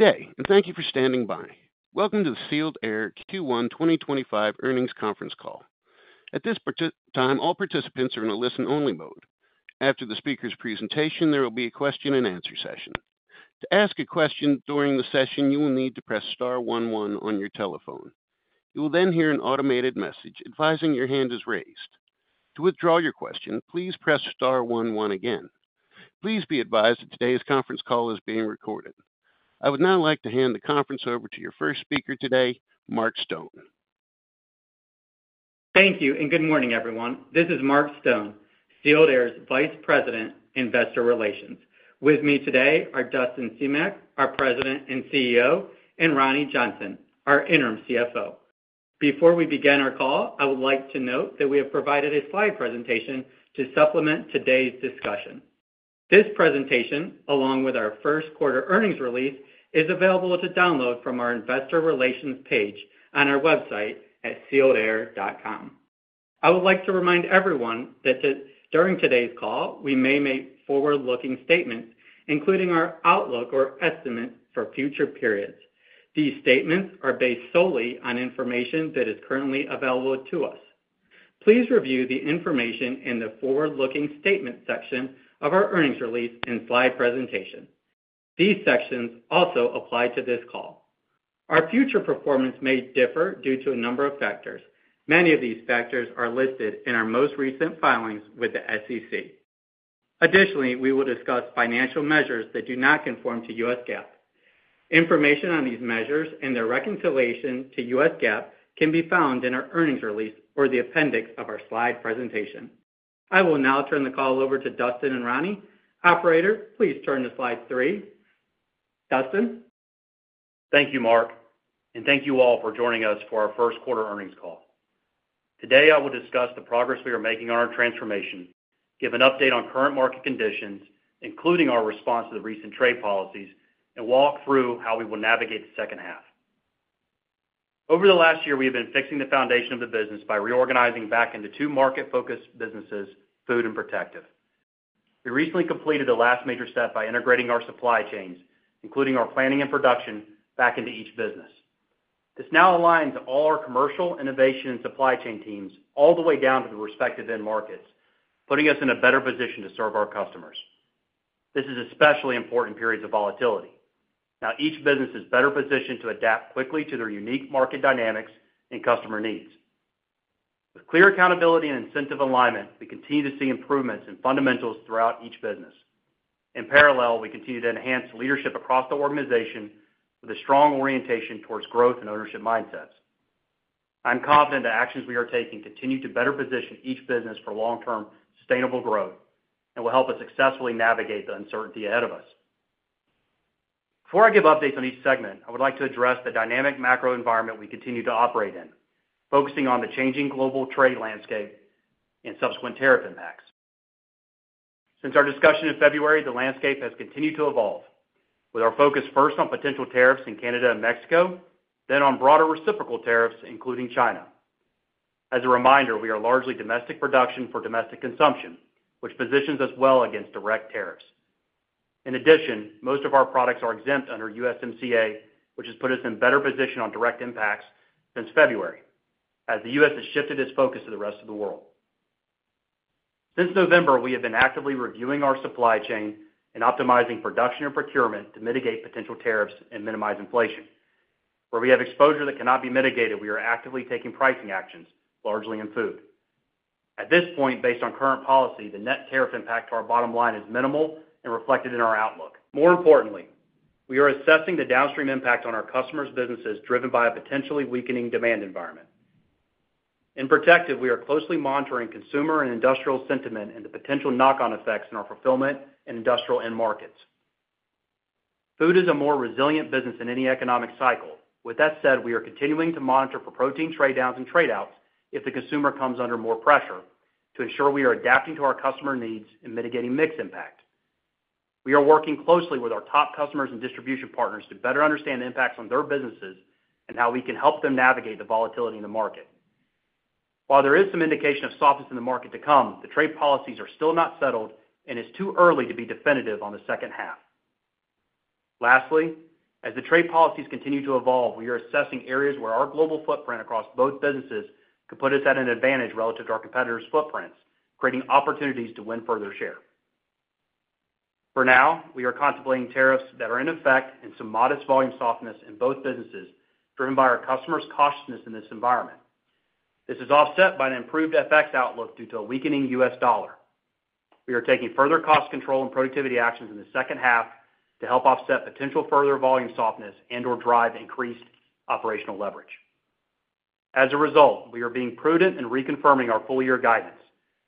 Good day, and thank you for standing by. Welcome to the Sealed Air 2021-2025 earnings conference call. At this time, all participants are in a listen-only mode. After the speaker's presentation, there will be a question-and-answer session. To ask a question during the session, you will need to press star one one on your telephone. You will then hear an automated message advising your hand is raised. To withdraw your question, please press star one one again. Please be advised that today's conference call is being recorded. I would now like to hand the conference over to your first speaker today, Mark Stone. Thank you, and good morning, everyone. This is Mark Stone, Sealed Air's Vice President, Investor Relations. With me today are Dustin Semach, our President and CEO, and Roni Johnson, our Interim CFO. Before we begin our call, I would like to note that we have provided a slide presentation to supplement today's discussion. This presentation, along with our first quarter earnings release, is available to download from our Investor Relations page on our website at sealedair.com. I would like to remind everyone that during today's call, we may make forward-looking statements, including our outlook or estimates for future periods. These statements are based solely on information that is currently available to us. Please review the information in the forward-looking statement section of our earnings release and slide presentation. These sections also apply to this call. Our future performance may differ due to a number of factors. Many of these factors are listed in our most recent filings with the SEC. Additionally, we will discuss financial measures that do not conform to U.S. GAAP. Information on these measures and their reconciliation to U.S. GAAP can be found in our earnings release or the appendix of our slide presentation. I will now turn the call over to Dustin and Roni. Operator, please turn to slide three. Dustin? Thank you, Mark, and thank you all for joining us for our first quarter earnings call. Today, I will discuss the progress we are making on our transformation, give an update on current market conditions, including our response to the recent trade policies, and walk through how we will navigate the 2nd half. Over the last year, we have been fixing the foundation of the business by reorganizing back into two market-focused businesses, Food and Protective. We recently completed the last major step by integrating our supply chains, including our planning and production, back into each business. This now aligns all our commercial, innovation, and supply chain teams all the way down to the respective end markets, putting us in a better position to serve our customers. This is especially important in periods of volatility. Now, each business is better positioned to adapt quickly to their unique market dynamics and customer needs. With clear accountability and incentive alignment, we continue to see improvements in fundamentals throughout each business. In parallel, we continue to enhance leadership across the organization with a strong orientation towards growth and ownership mindsets. I'm confident the actions we are taking continue to better position each business for long-term sustainable growth and will help us successfully navigate the uncertainty ahead of us. Before I give updates on each segment, I would like to address the dynamic macro environment we continue to operate in, focusing on the changing global trade landscape and subsequent tariff impacts. Since our discussion in February, the landscape has continued to evolve, with our focus first on potential tariffs in Canada and Mexico, then on broader reciprocal tariffs, including China. As a reminder, we are largely domestic production for domestic consumption, which positions us well against direct tariffs. In addition, most of our products are exempt under USMCA, which has put us in better position on direct impacts since February, as the U.S. has shifted its focus to the rest of the world. Since November, we have been actively reviewing our supply chain and optimizing production and procurement to mitigate potential tariffs and minimize inflation. Where we have exposure that cannot be mitigated, we are actively taking pricing actions, largely in Food. At this point, based on current policy, the net tariff impact to our bottom line is minimal and reflected in our outlook. More importantly, we are assessing the downstream impact on our customers' businesses driven by a potentially weakening demand environment. In Protective, we are closely monitoring consumer and industrial sentiment and the potential knock-on effects in our fulfillment and industrial end markets. Food is a more resilient business in any economic cycle. With that said, we are continuing to monitor for protein trade-downs and trade-outs if the consumer comes under more pressure to ensure we are adapting to our customer needs and mitigating mix impact. We are working closely with our top customers and distribution partners to better understand the impacts on their businesses and how we can help them navigate the volatility in the market. While there is some indication of softness in the market to come, the trade policies are still not settled, and it's too early to be definitive on the 2nd half. Lastly, as the trade policies continue to evolve, we are assessing areas where our global footprint across both businesses could put us at an advantage relative to our competitors' footprints, creating opportunities to win further share. For now, we are contemplating tariffs that are in effect and some modest volume softness in both businesses driven by our customers' cautiousness in this environment. This is offset by an improved FX outlook due to a weakening U.S. dollar. We are taking further cost control and productivity actions in the 2nd half to help offset potential further volume softness and/or drive increased operational leverage. As a result, we are being prudent in reconfirming our full-year guidance,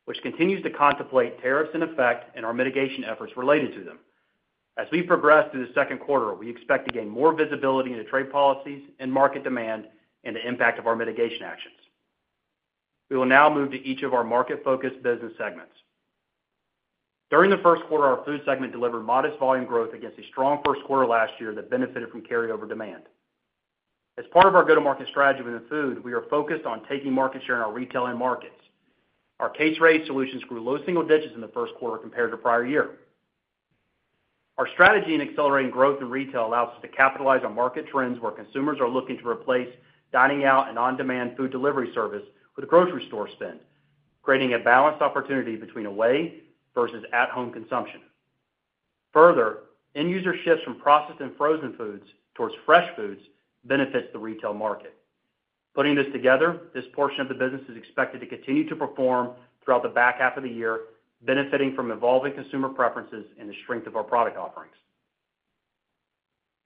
which continues to contemplate tariffs in effect and our mitigation efforts related to them. As we progress through the 2nd quarter, we expect to gain more visibility into trade policies, market demand, and the impact of our mitigation actions. We will now move to each of our market-focused business segments. During the 1st quarter, our Food segment delivered modest volume growth against a strong first quarter last year that benefited from carryover demand. As part of our go-to-market strategy within Food, we are focused on taking market share in our retail markets. Our case-ready solutions grew low single digits in the 1st quarter compared to prior year. Our strategy in accelerating growth in retail allows us to capitalize on market trends where consumers are looking to replace dining out and on-demand food delivery service with grocery store spend, creating a balanced opportunity between away versus at-home consumption. Further, end-user shifts from processed and frozen foods towards fresh foods benefits the retail market. Putting this together, this portion of the business is expected to continue to perform throughout the back half of the year, benefiting from evolving consumer preferences and the strength of our product offerings.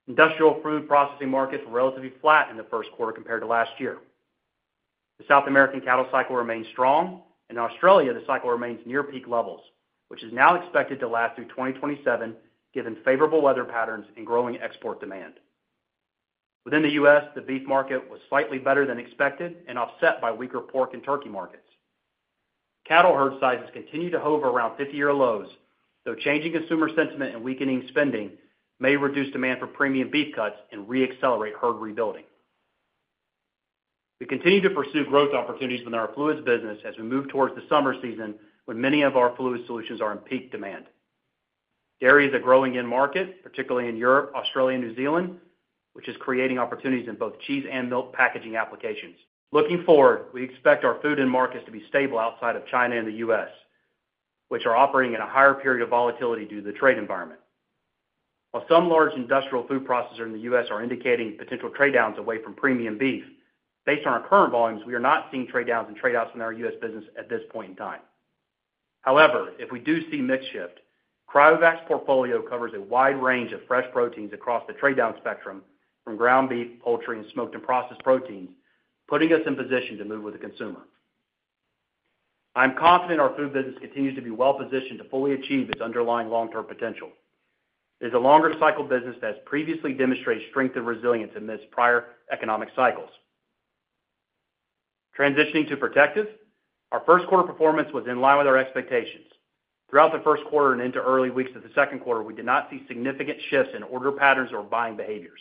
Industrial food processing markets were relatively flat in the 1st quarter compared to last year. The South American cattle cycle remained strong, and in Australia, the cycle remains near peak levels, which is now expected to last through 2027, given favorable weather patterns and growing export demand. Within the U.S., the beef market was slightly better than expected and offset by weaker pork and turkey markets. Cattle herd sizes continue to hover around 50-year lows, though changing consumer sentiment and weakening spending may reduce demand for premium beef cuts and re-accelerate herd rebuilding. We continue to pursue growth opportunities within our fluids business as we move towards the summer season, when many of our fluid solutions are in peak demand. Dairy is a growing end market, particularly in Europe, Australia, and New Zealand, which is creating opportunities in both cheese and milk packaging applications. Looking forward, we expect our food end markets to be stable outside of China and the U.S., which are operating in a higher period of volatility due to the trade environment. While some large industrial food processors in the U.S. are indicating potential trade-downs away from premium beef, based on our current volumes, we are not seeing trade-downs and trade-offs in our U.S. business at this point in time. However, if we do see a mix shift, Cryovac's portfolio covers a wide range of fresh proteins across the trade-down spectrum from ground beef, poultry, and smoked and processed proteins, putting us in position to move with the consumer. I'm confident our Food business continues to be well-positioned to fully achieve its underlying long-term potential. It is a longer-cycle business that has previously demonstrated strength and resilience amidst prior economic cycles. Transitioning to Protective, our 1st quarter performance was in line with our expectations. Throughout the 1st quarter and into early weeks of the 2nd quarter, we did not see significant shifts in order patterns or buying behaviors.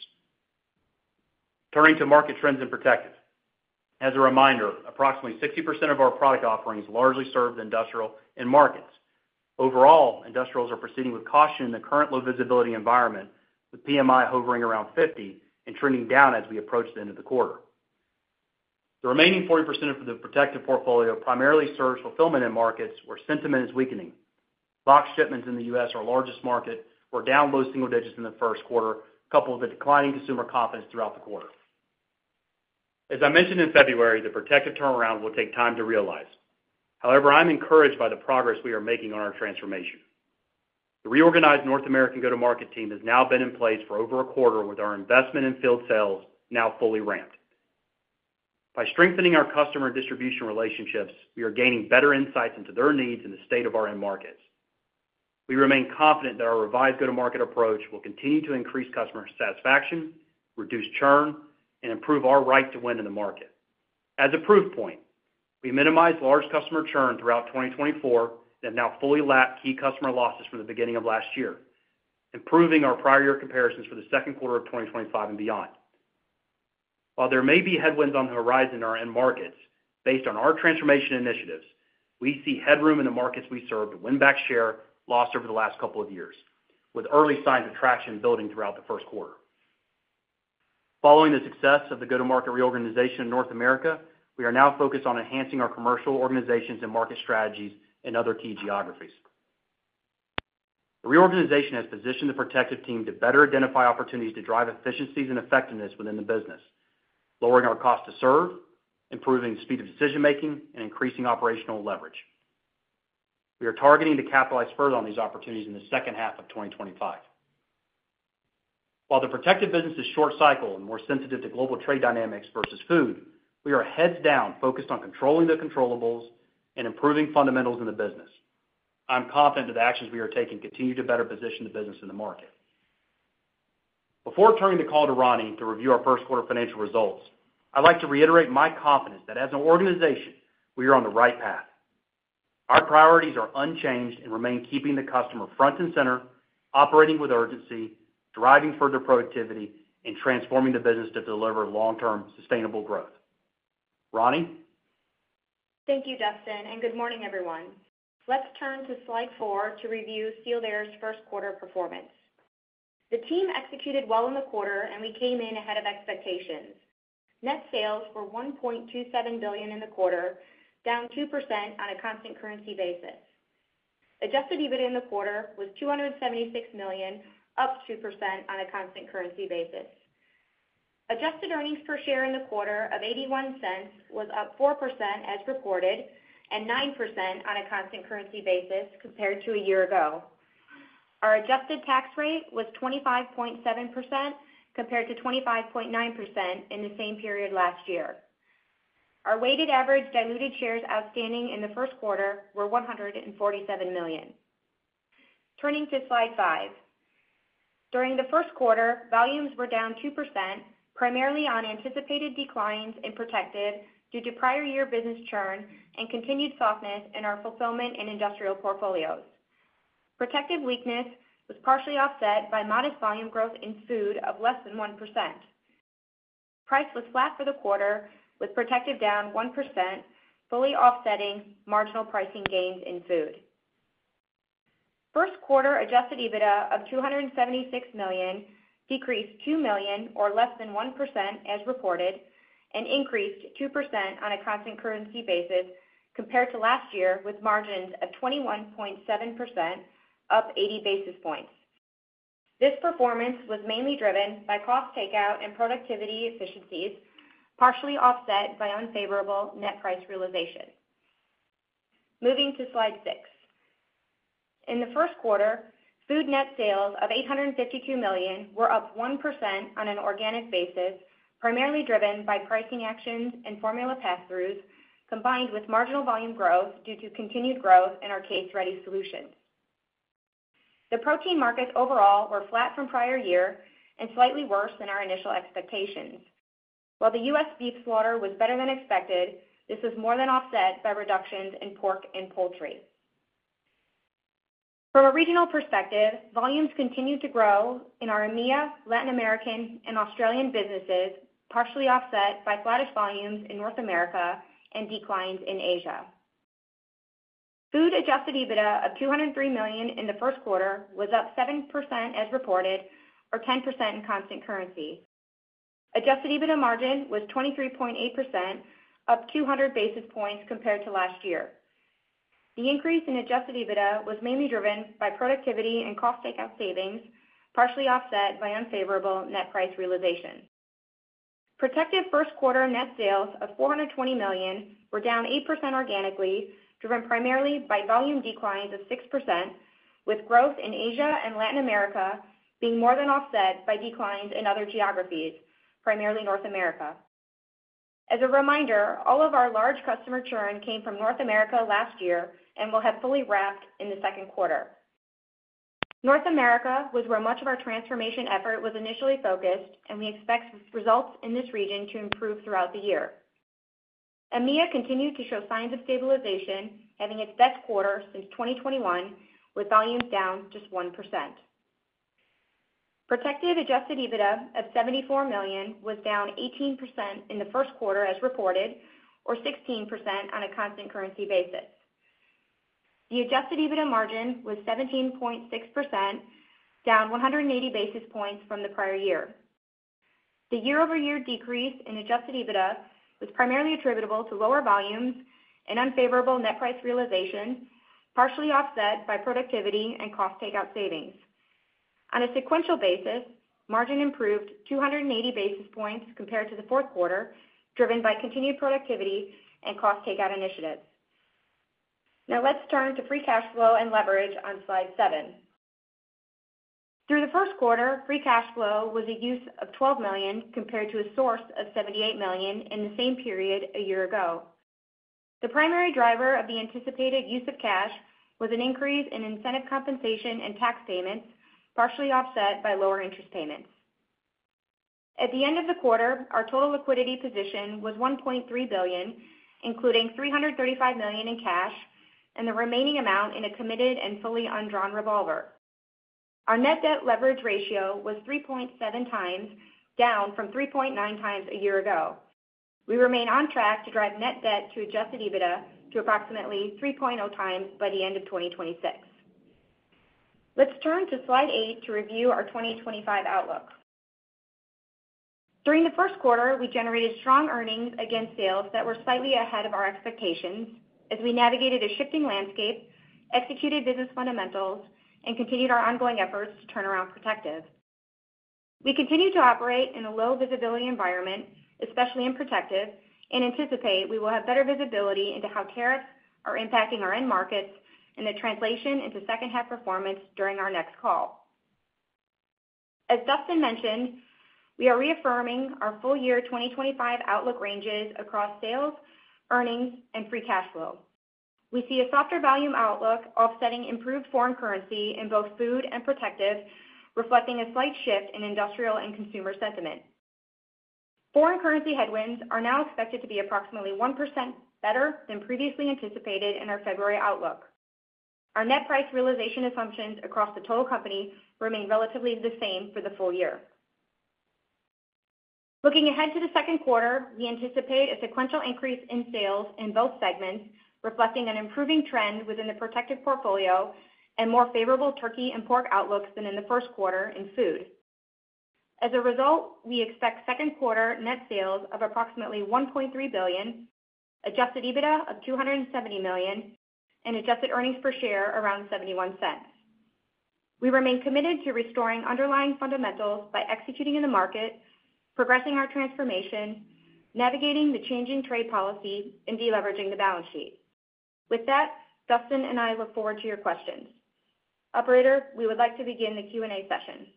Turning to market trends in Protective, as a reminder, approximately 60% of our product offerings largely serve the industrial end markets. Overall, industrials are proceeding with caution in the current low-visibility environment, with PMI hovering around 50 and trending down as we approach the end of the quarter. The remaining 40% of the Protective portfolio primarily serves fulfillment end markets where sentiment is weakening. Box shipments in the U.S., our largest market, were down low single digits in the first quarter, coupled with declining consumer confidence throughout the quarter. As I mentioned in February, the Protective turnaround will take time to realize. However, I'm encouraged by the progress we are making on our transformation. The reorganized North American go-to-market team has now been in place for over a quarter, with our investment in field sales now fully ramped. By strengthening our customer distribution relationships, we are gaining better insights into their needs and the state of our end markets. We remain confident that our revised go-to-market approach will continue to increase customer satisfaction, reduce churn, and improve our right to win in the market. As a proof point, we minimized large customer churn throughout 2024 and have now fully lapped key customer losses from the beginning of last year, improving our prior-year comparisons for the 2nd quarter of 2025 and beyond. While there may be headwinds on the horizon in our end markets, based on our transformation initiatives, we see headroom in the markets we serve to win back share lost over the last couple of years, with early signs of traction building throughout the 1st quarter. Following the success of the go-to-market reorganization in North America, we are now focused on enhancing our commercial organizations and market strategies in other key geographies. The reorganization has positioned the Protective team to better identify opportunities to drive efficiencies and effectiveness within the business, lowering our cost to serve, improving the speed of decision-making, and increasing operational leverage. We are targeting to capitalize further on these opportunities in the 2nd half of 2025. While the Protective business is short-cycle and more sensitive to global trade dynamics versus Food, we are heads down focused on controlling the controllables, improving fundamentals in the business. I'm confident that the actions we are taking continue to better position the business in the market. Before turning the call to Roni to review our 1st quarter financial results, I'd like to reiterate my confidence that, as an organization, we are on the right path. Our priorities are unchanged and remain keeping the customer front and center, operating with urgency, driving further productivity, and transforming the business to deliver long-term sustainable growth. Roni? Thank you, Dustin, and good morning, everyone. Let's turn to slide four to review Sealed Air's first quarter performance. The team executed well in the quarter, and we came in ahead of expectations. Net sales were $1.27 billion in the quarter, down 2% on a constant currency basis. Adjusted EBITDA in the quarter was $276 million, up 2% on a constant currency basis. Adjusted earnings per share in the quarter of $0.81 was up 4% as reported and 9% on a constant currency basis compared to a year ago. Our adjusted tax rate was 25.7% compared to 25.9% in the same period last year. Our weighted average diluted shares outstanding in the first quarter were 147 million. Turning to slide five, during the 1st quarter, volumes were down 2%, primarily on anticipated declines in Protective due to prior-year business churn and continued softness in our fulfillment and industrial portfolios. Protective weakness was partially offset by modest volume growth in Food of less than 1%. Price was flat for the quarter, with Protective down 1%, fully offsetting marginal pricing gains in Food. First quarter adjusted EBITDA of $276 million decreased $2 million or less than 1% as reported and increased 2% on a constant currency basis compared to last year, with margins of 21.7%, up 80 basis points. This performance was mainly driven by cost takeout and productivity efficiencies, partially offset by unfavorable net price realization. Moving to slide six. In the 1st quarter, Food net sales of $852 million were up 1% on an organic basis, primarily driven by pricing actions and formula pass-throughs, combined with marginal volume growth due to continued growth in our case-ready solutions. The protein markets overall were flat from prior year and slightly worse than our initial expectations. While the U.S. beef slaughter was better than expected, this was more than offset by reductions in pork and poultry. From a regional perspective, volumes continued to grow in our EMEA, Latin American, and Australian businesses, partially offset by flattish volumes in North America and declines in Asia. Food adjusted EBITDA of $203 million in the 1st quarter was up 7% as reported or 10% in constant currency. Adjusted EBITDA margin was 23.8%, up 200 basis points compared to last year. The increase in adjusted EBITDA was mainly driven by productivity and cost takeout savings, partially offset by unfavorable net price realization. Protective 1st quarter net sales of $420 million were down 8% organically, driven primarily by volume declines of 6%, with growth in Asia and Latin America being more than offset by declines in other geographies, primarily North America. As a reminder, all of our large customer churn came from North America last year and will have fully wrapped in the 2nd quarter. North America was where much of our transformation effort was initially focused, and we expect results in this region to improve throughout the year. EMEA continued to show signs of stabilization, having its best quarter since 2021, with volumes down just 1%. Protective adjusted EBITDA of $74 million was down 18% in the 1st quarter as reported or 16% on a constant currency basis. The adjusted EBITDA margin was 17.6%, down 180 basis points from the prior year. The year-over-year decrease in adjusted EBITDA was primarily attributable to lower volumes and unfavorable net price realization, partially offset by productivity and cost takeout savings. On a sequential basis, margin improved 280 basis points compared to the 4th quarter, driven by continued productivity and cost takeout initiatives. Now let's turn to free cash flow and leverage on slide seven. Through the 1st quarter, free cash flow was a use of $12 million compared to a source of $78 million in the same period a year ago. The primary driver of the anticipated use of cash was an increase in incentive compensation and tax payments, partially offset by lower interest payments. At the end of the quarter, our total liquidity position was $1.3 billion, including $335 million in cash and the remaining amount in a committed and fully undrawn revolver. Our net debt leverage ratio was 3.7 times, down from 3.9 times a year ago. We remain on track to drive net debt to adjusted EBITDA to approximately 3.0 times by the end of 2026. Let's turn to slide eight to review our 2025 outlook. During the 1st quarter, we generated strong earnings against sales that were slightly ahead of our expectations as we navigated a shifting landscape, executed business fundamentals, and continued our ongoing efforts to turn around Protective. We continue to operate in a low-visibility environment, especially in Protective, and anticipate we will have better visibility into how tariffs are impacting our end markets and the translation into second-half performance during our next call. As Dustin mentioned, we are reaffirming our full-year 2025 outlook ranges across sales, earnings, and free cash flow. We see a softer volume outlook, offsetting improved foreign currency in both Food and Protective, reflecting a slight shift in industrial and consumer sentiment. Foreign currency headwinds are now expected to be approximately 1% better than previously anticipated in our February outlook. Our net price realization assumptions across the total company remain relatively the same for the full year. Looking ahead to the second quarter, we anticipate a sequential increase in sales in both segments, reflecting an improving trend within the Protective portfolio and more favorable turkey and pork outlooks than in the first quarter in Food. As a result, we expect second quarter net sales of approximately $1.3 billion, adjusted EBITDA of $270 million, and adjusted earnings per share around $0.71. We remain committed to restoring underlying fundamentals by executing in the market, progressing our transformation, navigating the changing trade policy, and deleveraging the balance sheet. With that, Dustin and I look forward to your questions. Operator, we would like to begin the Q&A session.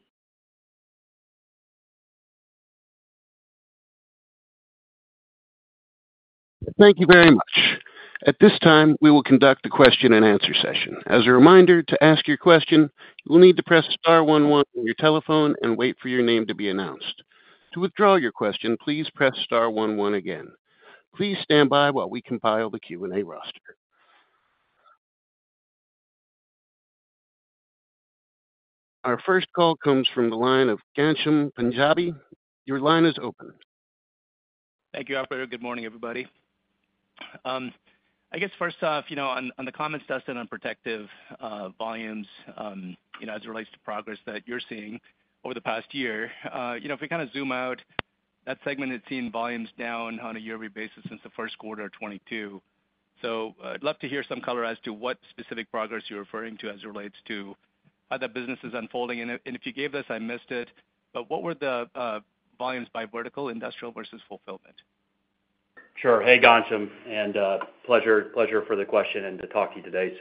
Thank you very much. At this time, we will conduct a question-and-answer session. As a reminder, to ask your question, you will need to press star one one on your telephone and wait for your name to be announced. To withdraw your question, please press star one one again. Please stand by while we compile the Q&A roster. Our first call comes from the line of Ghansham Panjabi. Your line is open. Thank you, Operator. Good morning, everybody. I guess, first off, you know, on the comments, Dustin, on Protective volumes, you know, as it relates to progress that you're seeing over the past year, you know, if we kind of zoom out, that segment had seen volumes down on a yearly basis since the 1st quarter of 2022. I’d love to hear some color as to what specific progress you're referring to as it relates to how that business is unfolding. If you gave this, I missed it, but what were the volumes by vertical, industrial versus fulfillment? Sure. Hey, Ghansham, and pleasure for the question and to talk to you today.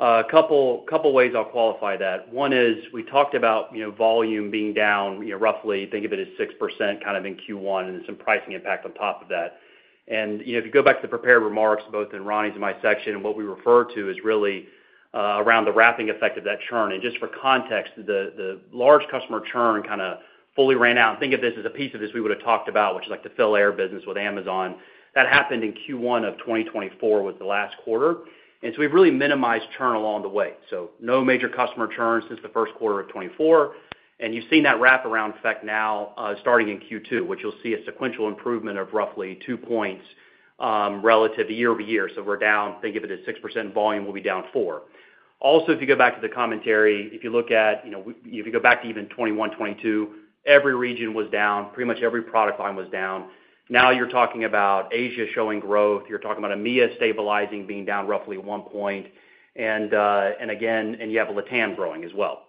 A couple ways I'll qualify that. One is we talked about, you know, volume being down, you know, roughly think of it as 6% kind of in Q1 and some pricing impact on top of that. You know, if you go back to the prepared remarks, both in Roni's and my section, what we refer to is really around the wrapping effect of that churn. Just for context, the large customer churn kind of fully ran out. Think of this as a piece of this we would have talked about, which is like the Fill Air business with Amazon. That happened in Q1 of 2024, was the last quarter. We have really minimized churn along the way. No major customer churn since the 1st quarter of 2024. You have seen that wraparound effect now starting in Q2, which you will see a sequential improvement of roughly 2 points relative to year over year. We are down, think of it as 6% volume, we will be down 4%. Also, if you go back to the commentary, if you look at, you know, if you go back to even 2021, 2022, every region was down, pretty much every product line was down. Now you are talking about Asia showing growth, you are talking about EMEA stabilizing being down roughly 1 point. Again, you have LATAM growing as well.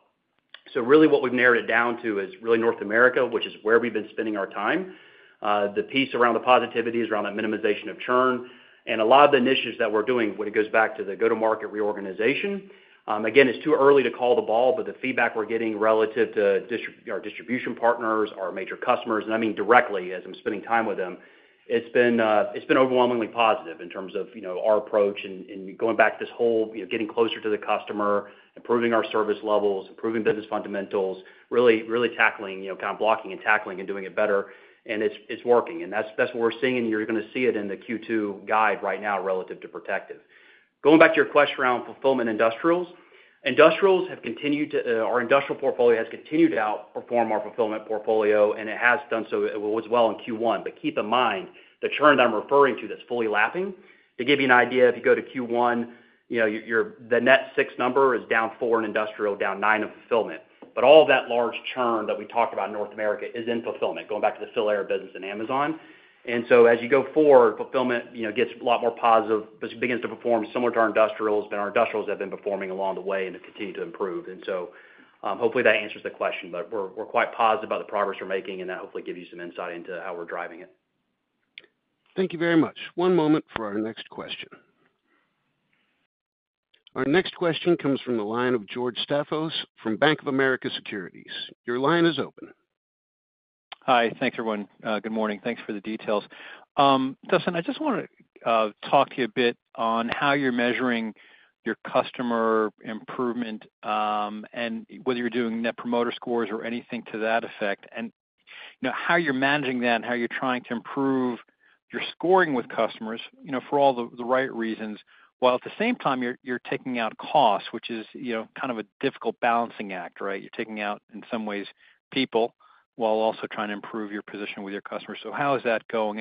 What we have narrowed it down to is really North America, which is where we have been spending our time. The piece around the positivity is around that minimization of churn. A lot of the initiatives that we're doing, when it goes back to the go-to-market reorganization, again, it's too early to call the ball, but the feedback we're getting relative to our distribution partners, our major customers, and I mean directly as I'm spending time with them, it's been overwhelmingly positive in terms of, you know, our approach and going back to this whole, you know, getting closer to the customer, improving our service levels, improving business fundamentals, really, really tackling, you know, kind of blocking and tackling and doing it better. It's working. That's what we're seeing, and you're going to see it in the Q2 guide right now relative to Protective. Going back to your question around fulfillment industrials, industrials have continued to, our industrial portfolio has continued to outperform our fulfillment portfolio, and it has done so well in Q1. Keep in mind the churn that I'm referring to that's fully lapping. To give you an idea, if you go to Q1, you know, the net six number is down four in industrial, down nine in fulfillment. All of that large churn that we talked about in North America is in fulfillment, going back to the Fill Air business in Amazon. As you go forward, fulfillment, you know, gets a lot more positive, begins to perform similar to our industrials, but our industrials have been performing along the way and have continued to improve. Hopefully that answers the question, but we're quite positive about the progress we're making, and that hopefully gives you some insight into how we're driving it. Thank you very much. One moment for our next question. Our next question comes from the line of George Staphos from Bank of America Securities. Your line is open. Hi, thanks everyone. Good morning. Thanks for the details. Dustin, I just want to talk to you a bit on how you're measuring your customer improvement and whether you're doing net promoter scores or anything to that effect, and, you know, how you're managing that and how you're trying to improve your scoring with customers, you know, for all the right reasons, while at the same time you're taking out costs, which is, you know, kind of a difficult balancing act, right? You're taking out in some ways people while also trying to improve your position with your customers. So how is that going?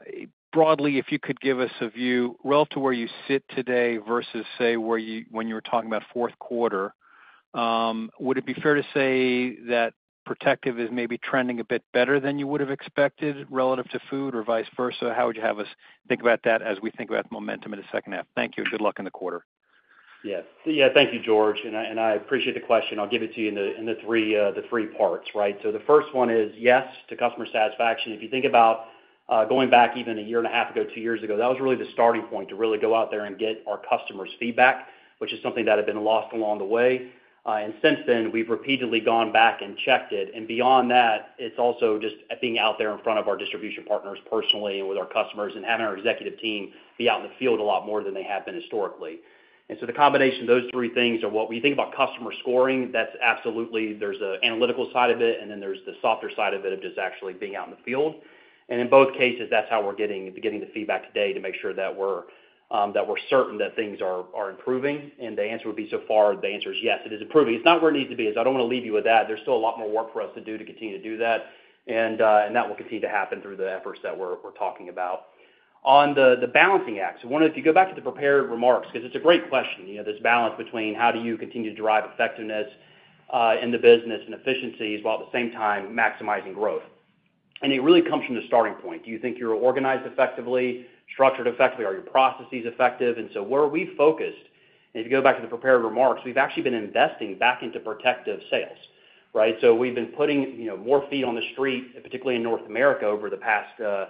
If you could give us a view relative to where you sit today versus, say, when you were talking about fourth quarter, would it be fair to say that Protective is maybe trending a bit better than you would have expected relative to Food or vice versa? How would you have us think about that as we think about the momentum in the second half? Thank you, and good luck in the quarter. Yes. Yeah, thank you, George. I appreciate the question. I'll give it to you in three parts, right? The first one is yes to customer satisfaction. If you think about going back even a year and a half ago, two years ago, that was really the starting point to really go out there and get our customers' feedback, which is something that had been lost along the way. Since then, we've repeatedly gone back and checked it. Beyond that, it's also just being out there in front of our distribution partners personally and with our customers and having our executive team be out in the field a lot more than they have been historically. The combination of those three things are what we think about customer scoring. That's absolutely, there's an analytical side of it, and then there's the softer side of it of just actually being out in the field. In both cases, that's how we're getting the feedback today to make sure that we're certain that things are improving. The answer would be so far, the answer is yes, it is improving. It's not where it needs to be. I don't want to leave you with that. There's still a lot more work for us to do to continue to do that. That will continue to happen through the efforts that we're talking about. On the balancing act, I wanted to, if you go back to the prepared remarks, because it's a great question, you know, this balance between how do you continue to drive effectiveness in the business and efficiencies while at the same time maximizing growth. It really comes from the starting point. Do you think you're organized effectively, structured effectively? Are your processes effective? Where are we focused? If you go back to the prepared remarks, we've actually been investing back into Protective sales, right? We've been putting, you know, more feet on the street, particularly in North America over the past, I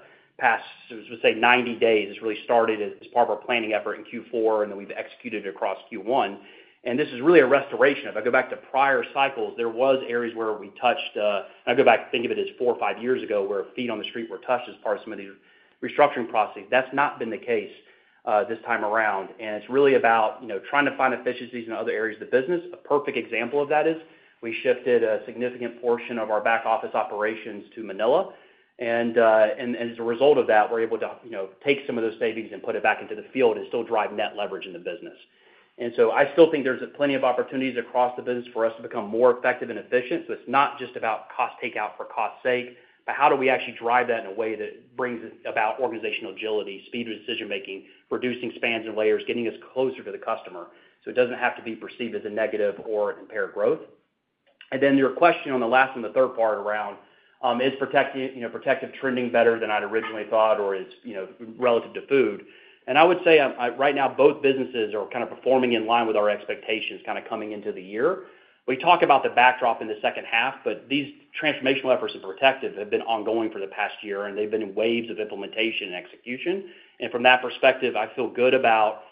would say, 90 days. It really started as part of our planning effort in Q4, and then we've executed across Q1. This is really a restoration. If I go back to prior cycles, there were areas where we touched, and I go back, think of it as four or five years ago where feet on the street were touched as part of some of these restructuring processes. That's not been the case this time around. It is really about, you know, trying to find efficiencies in other areas of the business. A perfect example of that is we shifted a significant portion of our back office operations to Manila. As a result of that, we are able to, you know, take some of those savings and put it back into the field and still drive net leverage in the business. I still think there are plenty of opportunities across the business for us to become more effective and efficient. It is not just about cost takeout for cost's sake, but how do we actually drive that in a way that brings about organizational agility, speed of decision-making, reducing spans and layers, getting us closer to the customer so it does not have to be perceived as a negative or impaired growth. Your question on the last and the third part around, is Protective trending better than I'd originally thought or is, you know, relative to Food? I would say right now both businesses are kind of performing in line with our expectations kind of coming into the year. We talk about the backdrop in the second half, but these transformational efforts at Protective have been ongoing for the past year, and they've been in waves of implementation and execution. From that perspective, I feel good about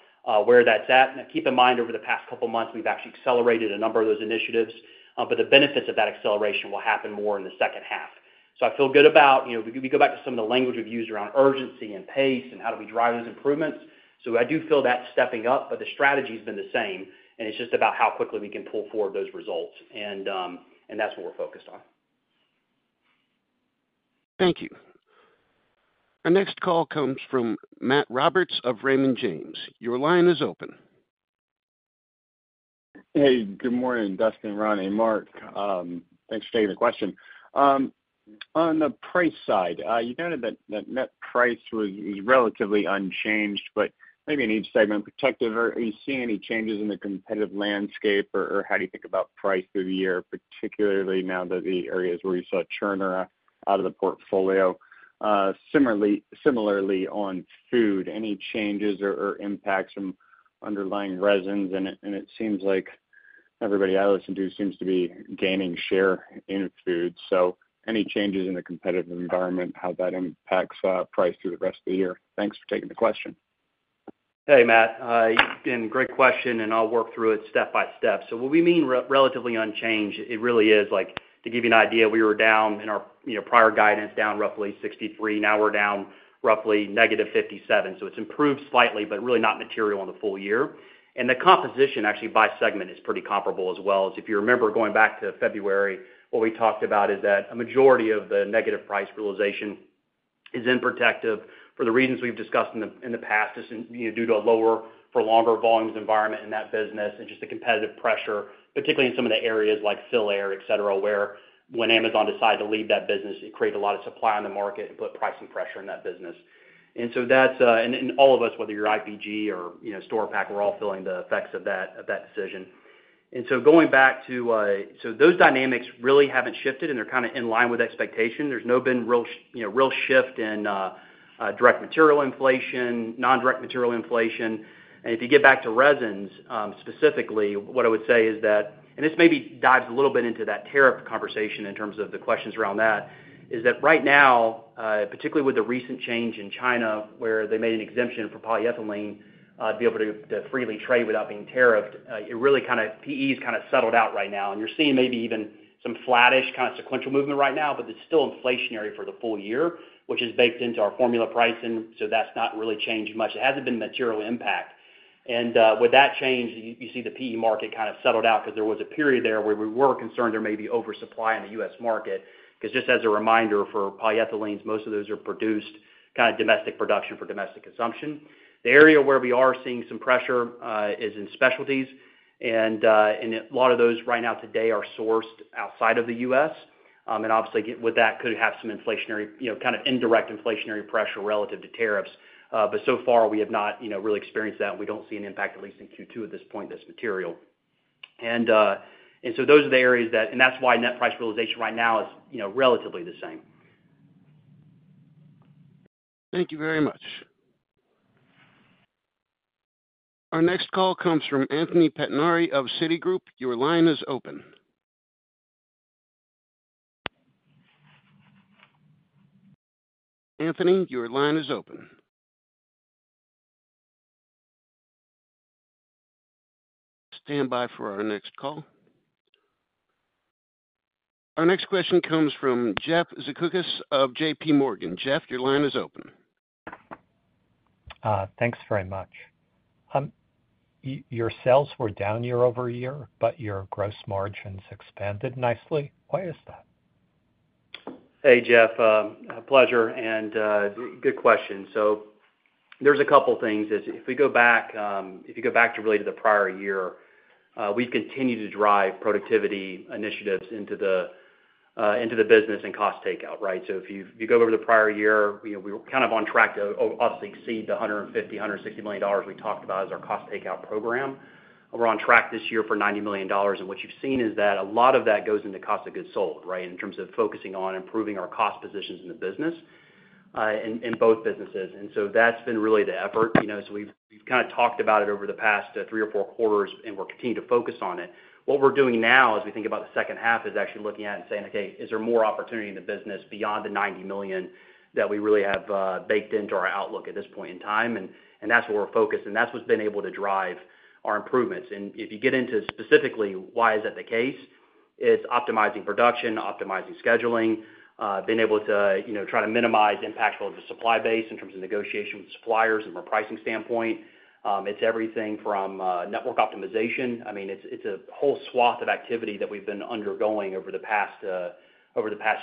where that's at. Now, keep in mind, over the past couple of months, we've actually accelerated a number of those initiatives, but the benefits of that acceleration will happen more in the 2nd half. I feel good about, you know, we go back to some of the language we've used around urgency and pace and how do we drive those improvements. I do feel that's stepping up, but the strategy has been the same, and it's just about how quickly we can pull forward those results. That's what we're focused on. Thank you. Our next call comes from Matt Roberts of Raymond James. Your line is open. Hey, good morning, Dustin, Roni, Mark. Thanks for taking the question. On the price side, you noted that net price was relatively unchanged, but maybe in each segment, Protective, are you seeing any changes in the competitive landscape, or how do you think about price through the year, particularly now that the areas where you saw churn are out of the portfolio? Similarly, on Food, any changes or impacts from underlying resins? And it seems like everybody I listen to seems to be gaining share in Food. So any changes in the competitive environment, how that impacts price through the rest of the year? Thanks for taking the question. Hey, Matt. Again, great question, and I'll work through it step by step. What we mean, relatively unchanged, it really is, like, to give you an idea, we were down in our, you know, prior guidance down roughly 63. Now we're down roughly -57. It's improved slightly, but really not material on the full year. The composition actually by segment is pretty comparable as well. If you remember going back to February, what we talked about is that a majority of the negative price realization is in Protective for the reasons we've discussed in the past, you know, due to a lower for longer volumes environment in that business and just the competitive pressure, particularly in some of the areas like Fill Air, et cetera, where when Amazon decided to leave that business, it created a lot of supply on the market and put pricing pressure in that business. All of us, whether you're IPG or, you know, Storepak, we're all feeling the effects of that decision. Going back to, those dynamics really haven't shifted, and they're kind of in line with expectation. There's no real, you know, real shift in direct material inflation, non-direct material inflation. If you get back to resins specifically, what I would say is that, and this maybe dives a little bit into that tariff conversation in terms of the questions around that, right now, particularly with the recent change in China where they made an exemption for polyethylene to be able to freely trade without being tariffed, it really kind of, PE has kind of settled out right now. You're seeing maybe even some flattish kind of sequential movement right now, but it's still inflationary for the full year, which is baked into our formula pricing. That's not really changed much. It hasn't been material impact. With that change, you see the PE market kind of settled out because there was a period there where we were concerned there may be oversupply in the U.S. market. Because just as a reminder for polyethylenes, most of those are produced kind of domestic production for domestic consumption. The area where we are seeing some pressure is in specialties. And a lot of those right now today are sourced outside of the U.S. And obviously with that could have some inflationary, you know, kind of indirect inflationary pressure relative to tariffs. But so far we have not, you know, really experienced that. We do not see an impact, at least in Q2 at this point, this material. And so those are the areas that, and that is why net price realization right now is, you know, relatively the same. Thank you very much. Our next call comes from Anthony Pettinari of Citigroup. Your line is open. Anthony, your line is open. Stand by for our next call. Our next question comes from Jeff Zekauskas of JPMorgan. Jeff, your line is open. Thanks very much. Your sales were down year over year, but your gross margins expanded nicely. Why is that? Hey, Jeff, a pleasure. Good question. There are a couple of things. If we go back, if you go back really to the prior year, we have continued to drive productivity initiatives into the business and cost takeout, right? If you go over the prior year, you know, we were kind of on track to obviously exceed the $150-$160 million we talked about as our cost takeout program. We are on track this year for $90 million. What you have seen is that a lot of that goes into cost of goods sold, right, in terms of focusing on improving our cost positions in the business in both businesses. That has been really the effort. You know, we have kind of talked about it over the past three or four quarters, and we are continuing to focus on it. What we're doing now as we think about the second half is actually looking at and saying, okay, is there more opportunity in the business beyond the $90 million that we really have baked into our outlook at this point in time? That's where we're focused. That's what's been able to drive our improvements. If you get into specifically why is that the case, it's optimizing production, optimizing scheduling, being able to, you know, try to minimize impact on the supply base in terms of negotiation with suppliers and from a pricing standpoint. It's everything from network optimization. I mean, it's a whole swath of activity that we've been undergoing over the past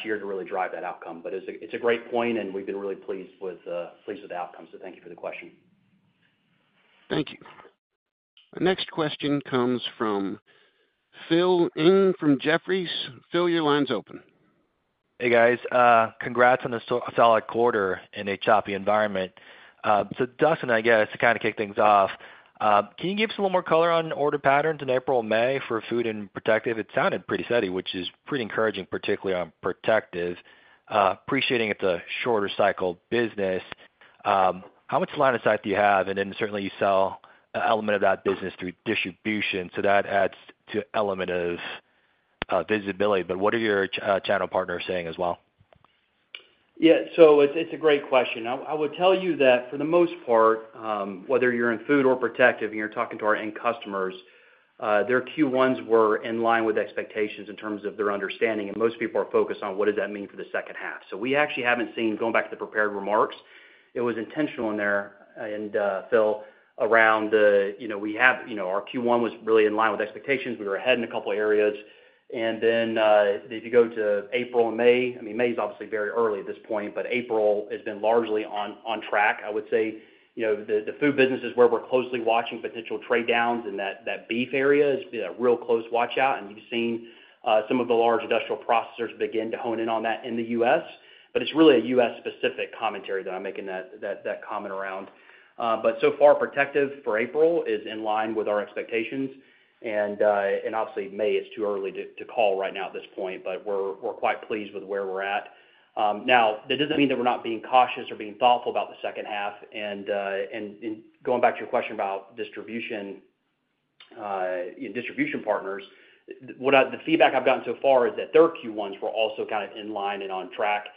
year to really drive that outcome. It's a great point, and we've been really pleased with the outcome. Thank you for the question. Thank you. Our next question comes from Phil Ng from Jefferies. Phil, your line's open. Hey, guys. Congrats on a solid quarter in a choppy environment. Dustin, I guess, to kind of kick things off, can you give us a little more color on order patterns in April and May for Food and Protective? It sounded pretty steady, which is pretty encouraging, particularly on Protective. Appreciating it's a shorter cycle business. How much line of sight do you have? Certainly you sell an element of that business through distribution. That adds to an element of visibility. What are your channel partners saying as well? Yeah, so it's a great question. I would tell you that for the most part, whether you're in Food or Protective and you're talking to our end customers, their Q1s were in line with expectations in terms of their understanding. Most people are focused on what does that mean for the second half. We actually haven't seen, going back to the prepared remarks, it was intentional in there, and Phil, around the, you know, we have, you know, our Q1 was really in line with expectations. We were ahead in a couple of areas. If you go to April and May, I mean, May is obviously very early at this point, but April has been largely on track. I would say, you know, the Food business is where we're closely watching potential trade downs in that beef area is a real close watch out. You have seen some of the large industrial processors begin to hone in on that in the U.S. It is really a U.S. specific commentary that I am making that comment around. So far, Protective for April is in line with our expectations. Obviously, May is too early to call right now at this point, but we are quite pleased with where we are at. That does not mean that we are not being cautious or being thoughtful about the second half. Going back to your question about distribution, you know, distribution partners, the feedback I have gotten so far is that their Q1s were also kind of in line and on track.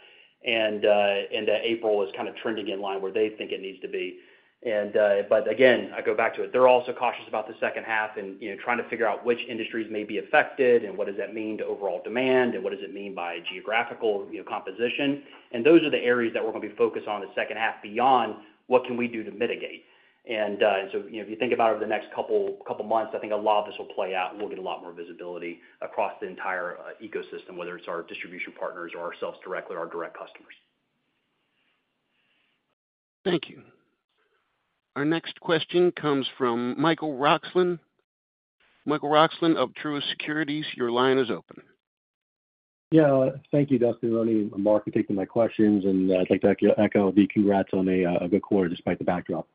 April is kind of trending in line where they think it needs to be. Again, I go back to it. They're also cautious about the second half and, you know, trying to figure out which industries may be affected and what does that mean to overall demand and what does it mean by geographical, you know, composition. Those are the areas that we're going to be focused on the second half beyond what can we do to mitigate. You know, if you think about over the next couple of months, I think a lot of this will play out and we'll get a lot more visibility across the entire ecosystem, whether it's our distribution partners or ourselves directly or our direct customers. Thank you. Our next question comes from Michael Roxland. Michael Roxland of Truist Securities, your line is open. Yeah, thank you, Dustin, Roni, Mark, for taking my questions. I'd like to echo the congrats on a good quarter despite the backdrop.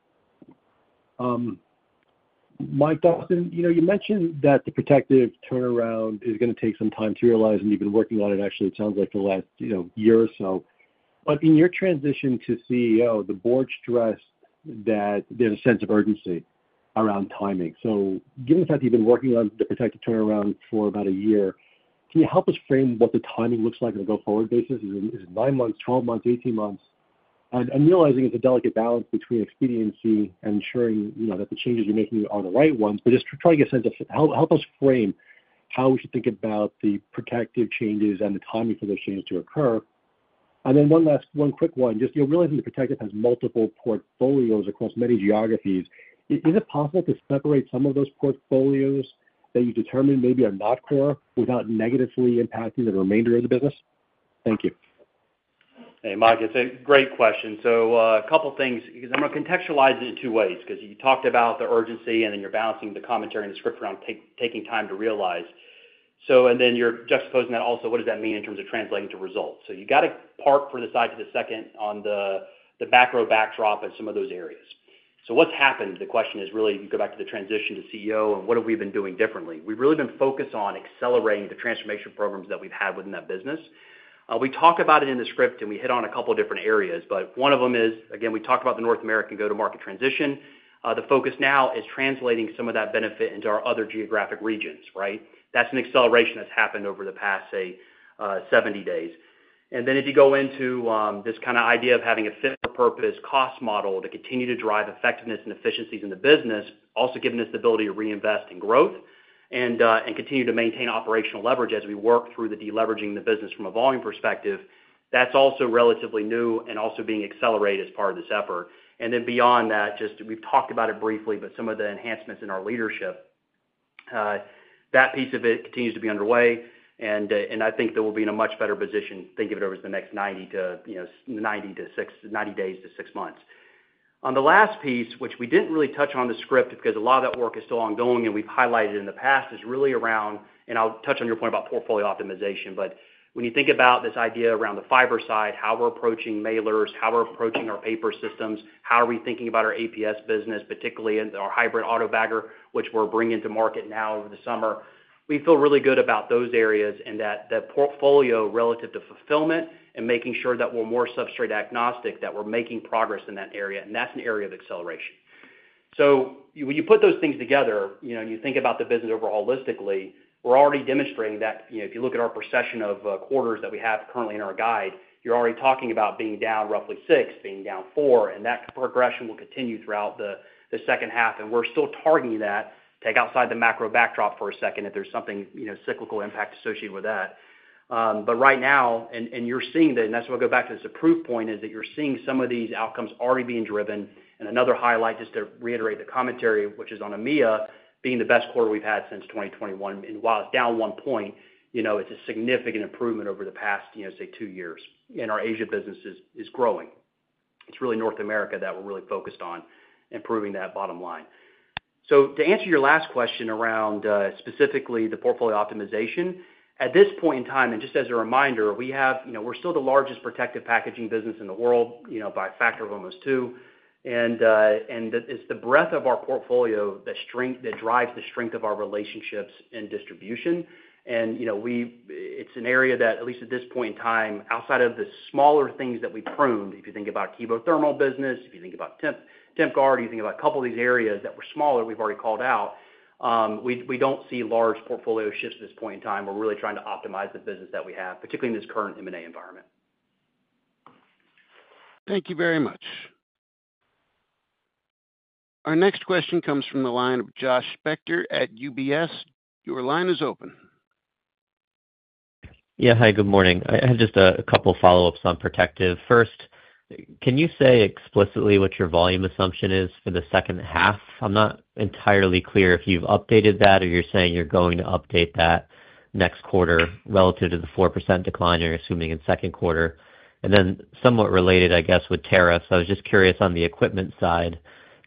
Mike, Dustin, you know, you mentioned that the Protective turnaround is going to take some time to realize, and you've been working on it actually, it sounds like, for the last, you know, year or so. In your transition to CEO, the board stressed that there's a sense of urgency around timing. Given the fact that you've been working on the Protective turnaround for about a year, can you help us frame what the timing looks like on a go-forward basis? Is it nine months, twelve months, 18 months? Realizing it's a delicate balance between expediency and ensuring, you know, that the changes you're making are the right ones, just trying to get a sense of, help us frame how we should think about the Protective changes and the timing for those changes to occur. One last, one quick one, just, you know, realizing that Protective has multiple portfolios across many geographies. Is it possible to separate some of those portfolios that you determined maybe are not core without negatively impacting the remainder of the business? Thank you. Hey, Mike, it's a great question. So a couple of things, because I'm going to contextualize it in two ways, because you talked about the urgency and then you're balancing the commentary and the script around taking time to realize. And then you're juxtaposing that also, what does that mean in terms of translating to results? You got to park for the side to the second on the back row backdrop and some of those areas. So what's happened, the question is really, you go back to the transition to CEO and what have we been doing differently? We've really been focused on accelerating the transformation programs that we've had within that business. We talk about it in the script and we hit on a couple of different areas, but one of them is, again, we talked about the North American go-to-market transition. The focus now is translating some of that benefit into our other geographic regions, right? That is an acceleration that has happened over the past, say, 70 days. If you go into this kind of idea of having a fit for purpose cost model to continue to drive effectiveness and efficiencies in the business, also giving us the ability to reinvest in growth and continue to maintain operational leverage as we work through the deleveraging in the business from a volume perspective, that is also relatively new and also being accelerated as part of this effort. Beyond that, just, we have talked about it briefly, but some of the enhancements in our leadership, that piece of it continues to be underway. I think that we will be in a much better position, think of it over the next 90 to, you know, 90 to six, 90 days to six months. On the last piece, which we did not really touch on the script because a lot of that work is still ongoing and we have highlighted in the past, is really around, and I will touch on your point about portfolio optimization. When you think about this idea around the fiber side, how we are approaching mailers, how we are approaching our paper systems, how are we thinking about our APS business, particularly in our hybrid auto bagger, which we are bringing to market now over the summer, we feel really good about those areas and that portfolio relative to fulfillment and making sure that we are more substrate agnostic, that we are making progress in that area. That is an area of acceleration. When you put those things together, you know, and you think about the business overall holistically, we're already demonstrating that, you know, if you look at our procession of quarters that we have currently in our guide, you're already talking about being down roughly six, being down four, and that progression will continue throughout the second half. We're still targeting that, take outside the macro backdrop for a second if there's something, you know, cyclical impact associated with that. Right now, and you're seeing that, and that's why I go back to this approved point, is that you're seeing some of these outcomes already being driven. Another highlight, just to reiterate the commentary, which is on EMEA being the best quarter we've had since 2021. While it's down 1 point, you know, it's a significant improvement over the past, you know, say, two years. Our Asia business is growing. It is really North America that we are really focused on improving that bottom line. To answer your last question around specifically the portfolio optimization, at this point in time, and just as a reminder, we have, you know, we are still the largest protective packaging business in the world, you know, by a factor of almost two. It is the breadth of our portfolio that drives the strength of our relationships in distribution. You know, it is an area that, at least at this point in time, outside of the smaller things that we pruned, if you think about the Kebo Thermal business, if you think about TempGuard, you think about a couple of these areas that were smaller, we have already called out, we do not see large portfolio shifts at this point in time. We're really trying to optimize the business that we have, particularly in this current M&A environment. Thank you very much. Our next question comes from the line of Josh Spector at UBS. Your line is open. Yeah, hi, good morning. I have just a couple of follow-ups on Protective. First, can you say explicitly what your volume assumption is for the second half? I'm not entirely clear if you've updated that or you're saying you're going to update that next quarter relative to the 4% decline you're assuming in second quarter. Then somewhat related, I guess, with tariffs, I was just curious on the equipment side,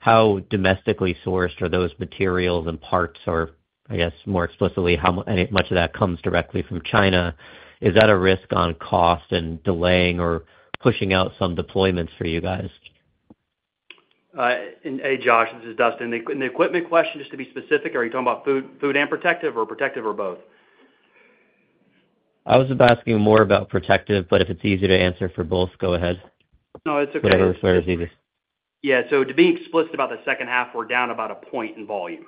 how domestically sourced are those materials and parts or, I guess, more explicitly, how much of that comes directly from China? Is that a risk on cost and delaying or pushing out some deployments for you guys? Hey, Josh, this is Dustin. The equipment question, just to be specific, are you talking about Food and Protective or Protective or both? I was asking more about Protective, but if it's easier to answer for both, go ahead. No, it's okay. Whatever is easiest. Yeah, so to be explicit about the second half, we're down about a point in volume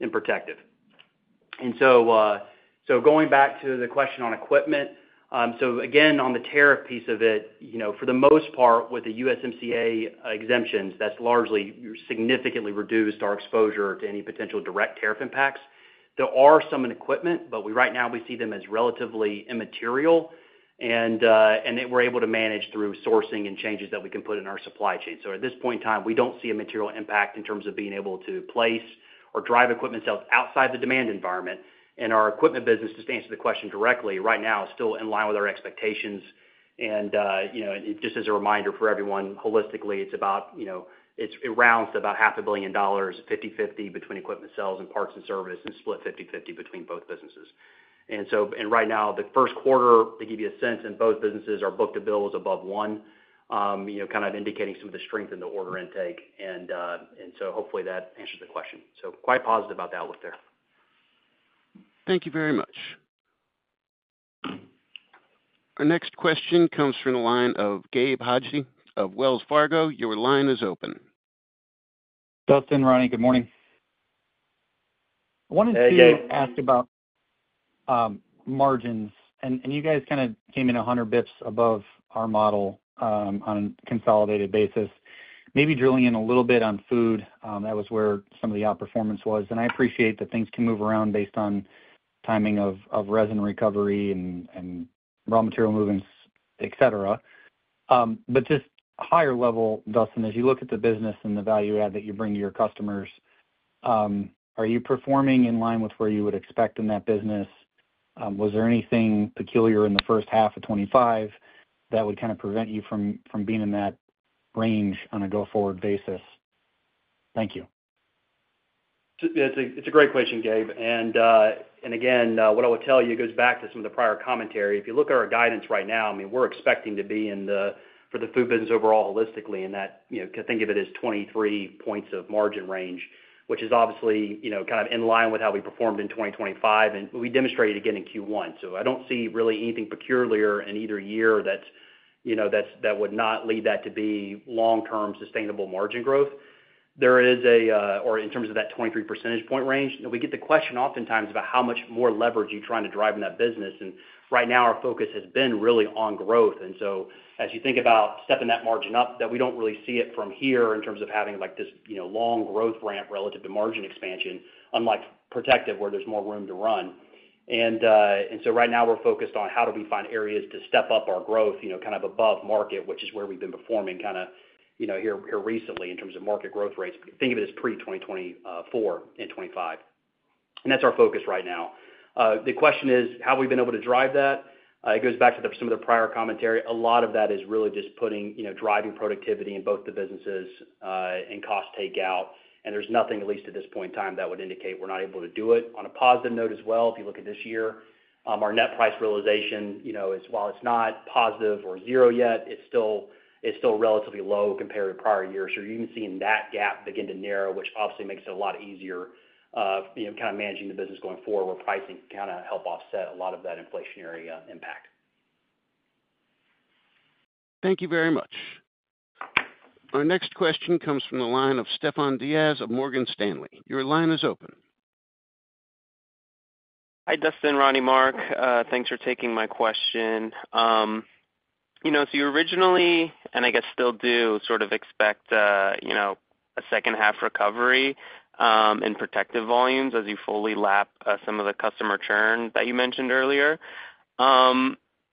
in Protective. Going back to the question on equipment, again, on the tariff piece of it, you know, for the most part, with the USMCA exemptions, that's largely significantly reduced our exposure to any potential direct tariff impacts. There are some in equipment, but right now we see them as relatively immaterial. We're able to manage through sourcing and changes that we can put in our supply chain. At this point in time, we don't see a material impact in terms of being able to place or drive equipment sales outside the demand environment. Our equipment business, just to answer the question directly, right now is still in line with our expectations. You know, just as a reminder for everyone, holistically, it is about, you know, it rounds to about half billion dollars, 50/50 between equipment sales and parts and service, and split 50/50 between both businesses. Right now, the first quarter, to give you a sense, in both businesses, our book to bill was above one, you know, kind of indicating some of the strength in the order intake. Hopefully that answers the question. Quite positive about the outlook there. Thank you very much. Our next question comes from the line of Gabe Hajde of Wells Fargo. Your line is open. Dustin, Roni, good morning. I wanted to ask about margins. You guys kind of came in 100 basis points above our model on a consolidated basis. Maybe drilling in a little bit on Food, that was where some of the outperformance was. I appreciate that things can move around based on timing of resin recovery and raw material movements, et cetera. Just higher level, Dustin, as you look at the business and the value add that you bring to your customers, are you performing in line with where you would expect in that business? Was there anything peculiar in the first half of 2025 that would kind of prevent you from being in that range on a go-forward basis? Thank you. Yeah, it's a great question, Gabe. Again, what I would tell you goes back to some of the prior commentary. If you look at our guidance right now, I mean, we're expecting to be in the, for the Food business overall holistically, and that, you know, to think of it as 23 percentage points of margin range, which is obviously, you know, kind of in line with how we performed in 2025. We demonstrated again in Q1. I don't see really anything peculiar in either year that's, you know, that would not lead that to be long-term sustainable margin growth. There is a, or in terms of that 23 percentage point range, you know, we get the question oftentimes about how much more leverage you're trying to drive in that business. Right now, our focus has been really on growth. As you think about stepping that margin up, we do not really see it from here in terms of having like this, you know, long growth ramp relative to margin expansion, unlike Protective, where there is more room to run. Right now, we are focused on how do we find areas to step up our growth, you know, kind of above market, which is where we have been performing kind of, you know, here recently in terms of market growth rates. Think of it as pre-2024 and 2025. That is our focus right now. The question is, how have we been able to drive that? It goes back to some of the prior commentary. A lot of that is really just putting, you know, driving productivity in both the businesses and cost takeout. There is nothing, at least at this point in time, that would indicate we are not able to do it. On a positive note as well, if you look at this year, our net price realization, you know, is, while it is not positive or zero yet, it is still relatively low compared to prior years. You are even seeing that gap begin to narrow, which obviously makes it a lot easier, you know, kind of managing the business going forward where pricing can kind of help offset a lot of that inflationary impact. Thank you very much. Our next question comes from the line of Stefan Diaz of Morgan Stanley. Your line is open. Hi, Dustin, Roni, Mark. Thanks for taking my question. You know, so you originally, and I guess still do sort of expect, you know, a second half recovery in Protective volumes as you fully lap some of the customer churn that you mentioned earlier.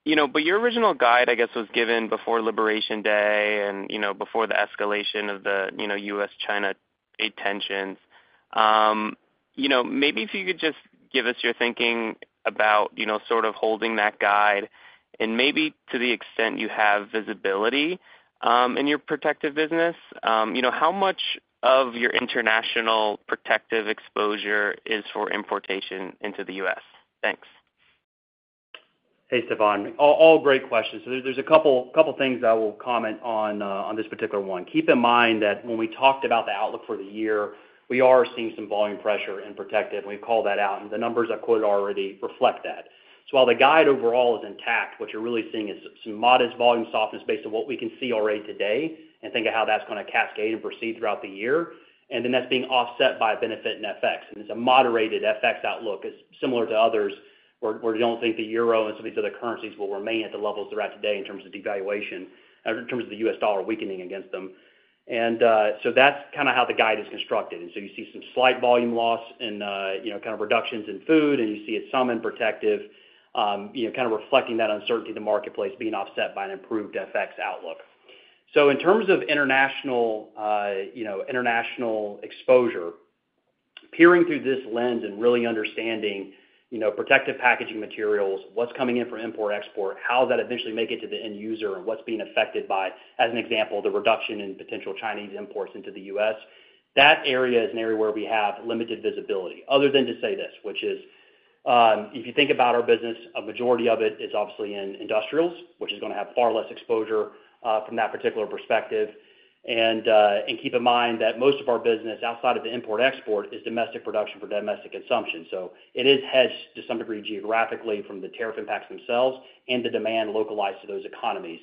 You know, but your original guide, I guess, was given before Liberation Day and, you know, before the escalation of the, you know, U.S.-China tensions. You know, maybe if you could just give us your thinking about, you know, sort of holding that guide and maybe to the extent you have visibility in your Protective business, you know, how much of your international Protective exposure is for importation into the U.S.? Thanks. Hey, Stefan. All great questions. There are a couple of things I will comment on this particular one. Keep in mind that when we talked about the outlook for the year, we are seeing some volume pressure in Protective. We have called that out. The numbers I quoted already reflect that. While the guide overall is intact, what you are really seeing is some modest volume softness based on what we can see already today and think of how that is going to cascade and proceed throughout the year. That is being offset by benefit and FX. It is a moderated FX outlook similar to others where we do not think the euro and some of these other currencies will remain at the levels they are at today in terms of devaluation, in terms of the US dollar weakening against them. That is kind of how the guide is constructed. You see some slight volume loss and, you know, kind of reductions in Food, and you see it some in Protective, you know, kind of reflecting that uncertainty in the marketplace being offset by an improved FX outlook. In terms of international, you know, international exposure, peering through this lens and really understanding, you know, Protective packaging materials, what's coming in from import-export, how does that eventually make it to the end user and what's being affected by, as an example, the reduction in potential Chinese imports into the U.S., that area is an area where we have limited visibility. Other than to say this, which is if you think about our business, a majority of it is obviously in industrials, which is going to have far less exposure from that particular perspective. Keep in mind that most of our business outside of the import-export is domestic production for domestic consumption. It is hedged to some degree geographically from the tariff impacts themselves and the demand localized to those economies.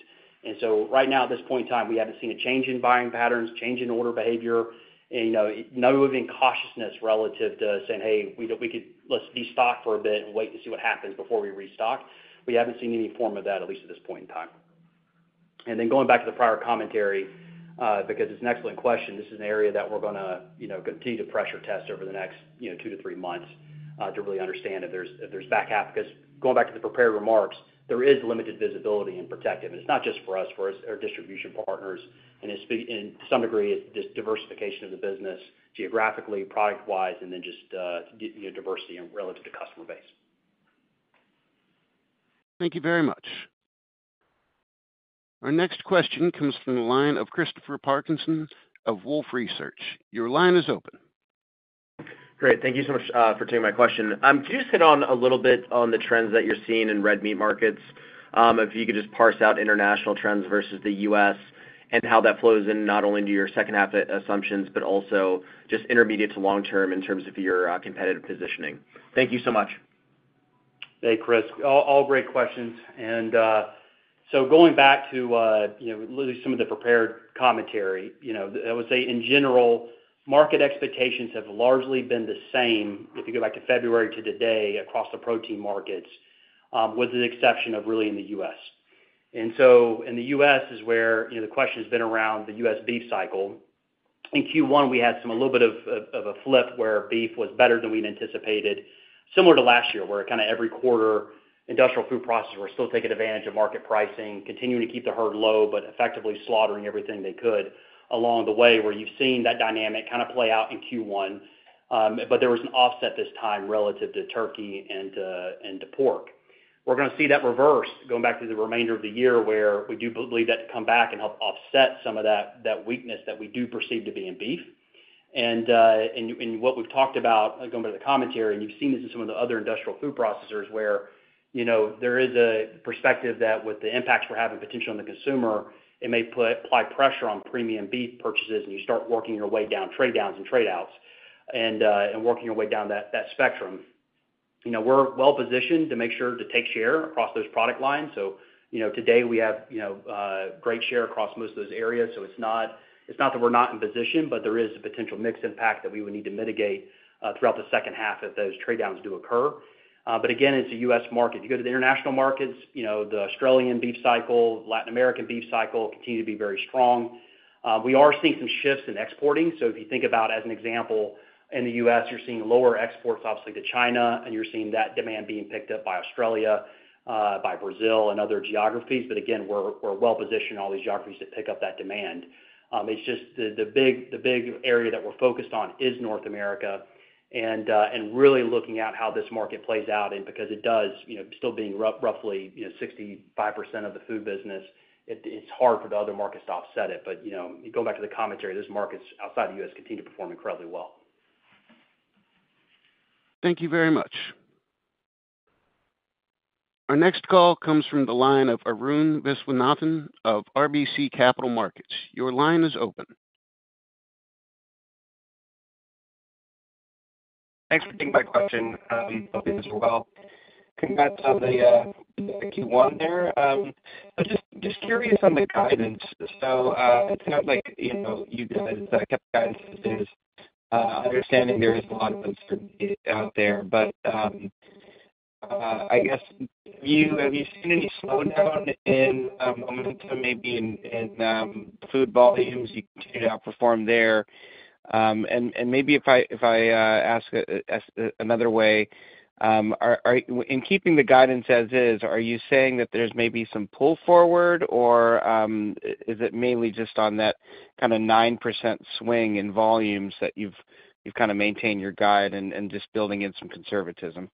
Right now, at this point in time, we haven't seen a change in buying patterns, change in order behavior, and, you know, no moving cautiousness relative to saying, "Hey, we could let's destock for a bit and wait to see what happens before we restock." We haven't seen any form of that, at least at this point in time. Going back to the prior commentary, because it's an excellent question, this is an area that we're going to, you know, continue to pressure test over the next, you know, two to three months to really understand if there's back half. Because going back to the prepared remarks, there is limited visibility in Protective. It is not just for us, for our distribution partners. To some degree, it is just diversification of the business geographically, product-wise, and then just, you know, diversity relative to customer base. Thank you very much. Our next question comes from the line of Christopher Parkinson of Wolf Research. Your line is open. Great. Thank you so much for taking my question. Could you just hit on a little bit on the trends that you're seeing in red meat markets, if you could just parse out international trends versus the U.S. and how that flows in not only into your second half assumptions, but also just intermediate to long term in terms of your competitive positioning? Thank you so much. Hey, Chris. All great questions. And so going back to, you know, really some of the prepared commentary, you know, I would say in general, market expectations have largely been the same if you go back to February to today across the protein markets, with the exception of really in the U.S. In the U.S. is where, you know, the question has been around the U.S. beef cycle. In Q1, we had a little bit of a flip where beef was better than we'd anticipated, similar to last year where kind of every quarter industrial food processors were still taking advantage of market pricing, continuing to keep the herd low, but effectively slaughtering everything they could along the way where you've seen that dynamic kind of play out in Q1. There was an offset this time relative to turkey and to pork. We're going to see that reverse going back through the remainder of the year where we do believe that to come back and help offset some of that weakness that we do perceive to be in beef. What we've talked about going back to the commentary, and you've seen this in some of the other industrial food processors where, you know, there is a perspective that with the impacts we're having potentially on the consumer, it may apply pressure on premium beef purchases and you start working your way down trade downs and trade outs and working your way down that spectrum. You know, we're well positioned to make sure to take share across those product lines. You know, today we have, you know, great share across most of those areas. It's not that we're not in position, but there is a potential mixed impact that we would need to mitigate throughout the second half if those trade downs do occur. Again, it's a U.S. market. If you go to the international markets, you know, the Australian beef cycle, Latin American beef cycle continue to be very strong. We are seeing some shifts in exporting. If you think about, as an example, in the U.S., you're seeing lower exports obviously to China, and you're seeing that demand being picked up by Australia, by Brazil, and other geographies. You know, we're well positioned in all these geographies that pick up that demand. It's just the big area that we're focused on is North America and really looking at how this market plays out. Because it does, you know, still being roughly, you know, 65% of the food business, it's hard for the other markets to offset it. You know, going back to the commentary, those markets outside the U.S. continue to perform incredibly well. Thank you very much. Our next call comes from the line of Arun Viswanathan of RBC Capital Markets. Your line is open. Thanks for taking my question. Hope it goes well. Congrats on the Q1 there. Just curious on the guidance. It sounds like, you know, you guys kept guidance as it is. Understanding there is a lot of uncertainty out there, but I guess, have you seen any slowdown in momentum maybe in food volumes? You continue to outperform there. Maybe if I ask another way, in keeping the guidance as is, are you saying that there's maybe some pull forward, or is it mainly just on that kind of 9% swing in volumes that you've kind of maintained your guide and just building in some conservatism?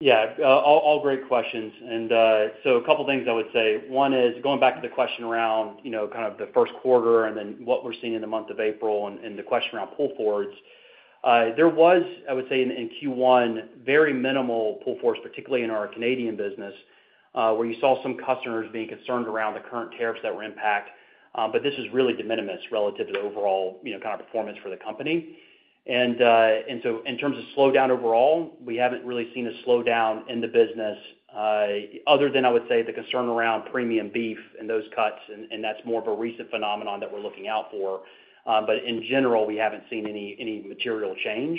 Yeah, all great questions. A couple of things I would say. One is going back to the question around, you know, kind of the first quarter and then what we're seeing in the month of April and the question around pull forwards. There was, I would say in Q1, very minimal pull forwards, particularly in our Canadian business, where you saw some customers being concerned around the current tariffs that were impact. This was really de minimis relative to the overall, you know, kind of performance for the company. In terms of slowdown overall, we haven't really seen a slowdown in the business other than, I would say, the concern around premium beef and those cuts. That's more of a recent phenomenon that we're looking out for. In general, we haven't seen any material change.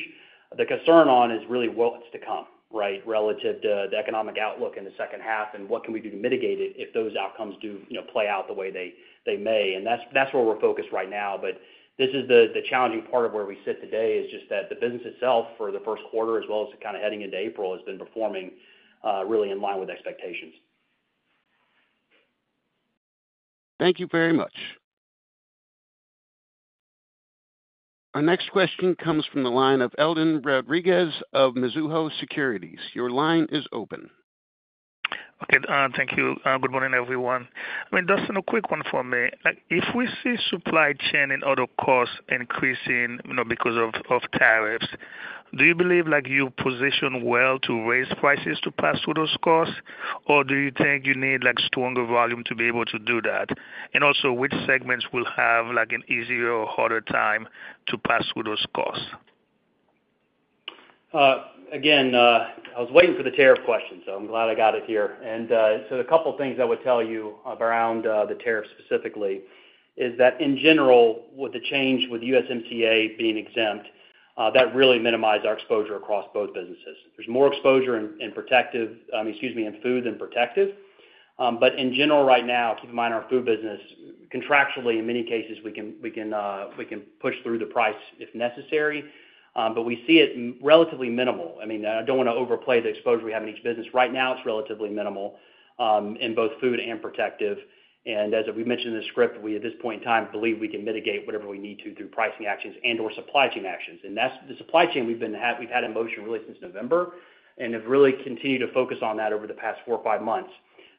The concern on is really what's to come, right, relative to the economic outlook in the second half and what can we do to mitigate it if those outcomes do, you know, play out the way they may. That is where we're focused right now. This is the challenging part of where we sit today is just that the business itself for the first quarter, as well as kind of heading into April, has been performing really in line with expectations. Thank you very much. Our next question comes from the line of Edlain Rodriguez of Mizuho Securities. Your line is open. Okay. Thank you. Good morning, everyone. I mean, Dustin, a quick one for me. If we see supply chain and other costs increasing, you know, because of tariffs, do you believe like you position well to raise prices to pass through those costs, or do you think you need like stronger volume to be able to do that? Also, which segments will have like an easier or harder time to pass through those costs? Again, I was waiting for the tariff question, so I'm glad I got it here. A couple of things I would tell you around the tariffs specifically is that in general, with the change with USMCA being exempt, that really minimized our exposure across both businesses. There's more exposure in Food, I mean, excuse me, in Food than Protective. I mean, in general, right now, keep in mind our Food business, contractually, in many cases, we can push through the price if necessary. We see it relatively minimal. I mean, I don't want to overplay the exposure we have in each business. Right now, it's relatively minimal in both Food and Protective. As we mentioned in the script, we at this point in time believe we can mitigate whatever we need to through pricing actions and/or supply chain actions. That's the supply chain we've had in motion really since November and have really continued to focus on that over the past four or five months.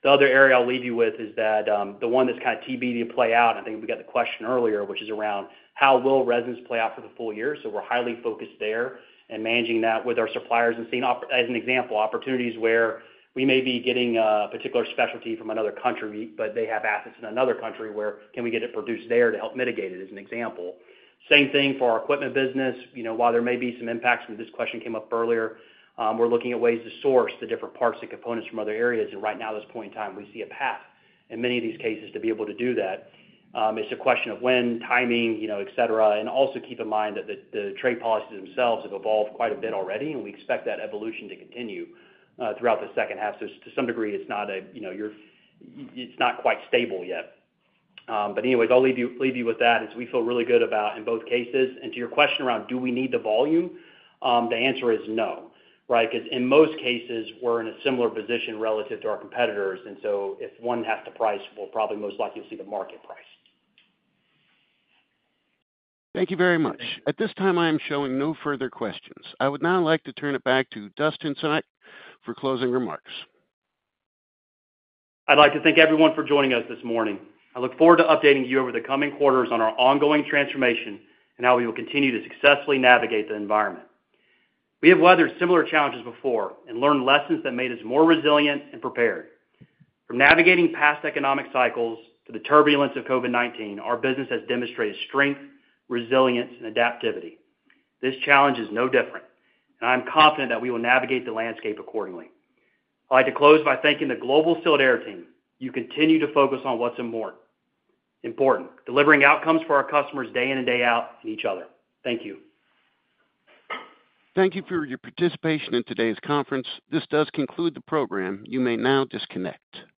The other area I'll leave you with is that the one that's kind of TBD to play out, I think we got the question earlier, which is around how will resins play out for the full year? We're highly focused there and managing that with our suppliers and seeing, as an example, opportunities where we may be getting a particular specialty from another country, but they have assets in another country where can we get it produced there to help mitigate it, as an example. Same thing for our equipment business. You know, while there may be some impacts when this question came up earlier, we're looking at ways to source the different parts and components from other areas. Right now, at this point in time, we see a path in many of these cases to be able to do that. It's a question of when timing, you know, et cetera. Also keep in mind that the trade policies themselves have evolved quite a bit already, and we expect that evolution to continue throughout the second half. To some degree, it's not quite stable yet. Anyways, I'll leave you with that. We feel really good about in both cases. To your question around do we need the volume, the answer is no, right? Because in most cases, we're in a similar position relative to our competitors. If one has to price, we'll probably most likely see the market price. Thank you very much. At this time, I am showing no further questions. I would now like to turn it back to Dustin Semach for closing remarks. I'd like to thank everyone for joining us this morning. I look forward to updating you over the coming quarters on our ongoing transformation and how we will continue to successfully navigate the environment. We have weathered similar challenges before and learned lessons that made us more resilient and prepared. From navigating past economic cycles to the turbulence of COVID-19, our business has demonstrated strength, resilience, and adaptivity. This challenge is no different. I'm confident that we will navigate the landscape accordingly. I'd like to close by thanking the global Sealed Air team. You continue to focus on what's important: delivering outcomes for our customers day in and day out and each other. Thank you. Thank you for your participation in today's conference. This does conclude the program. You may now disconnect.